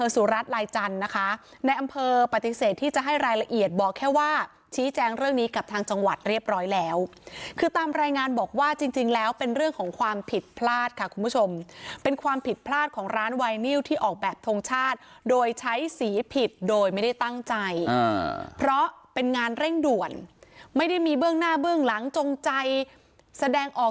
สุรัตน์ลายจันทร์นะคะในอำเภอปฏิเสธที่จะให้รายละเอียดบอกแค่ว่าชี้แจงเรื่องนี้กับทางจังหวัดเรียบร้อยแล้วคือตามรายงานบอกว่าจริงแล้วเป็นเรื่องของความผิดพลาดค่ะคุณผู้ชมเป็นความผิดพลาดของร้านไวนิวที่ออกแบบทงชาติโดยใช้สีผิดโดยไม่ได้ตั้งใจเพราะเป็นงานเร่งด่วนไม่ได้มีเบื้องหน้าเบื้องหลังจงใจแสดงออก